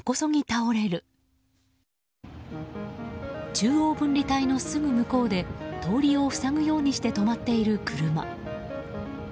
中央分離帯のすぐ向こうで通りを塞ぐようにして止まっている車。